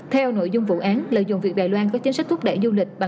theo nội dung vụ án lợi dụng việc đài loan có chính sách thúc đẩy du lịch bằng